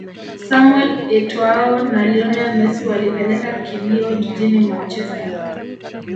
Samuel Etoâo na Lionel Messi walipeleka kilio jijini Manchesterr